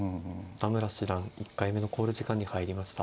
田村七段１回目の考慮時間に入りました。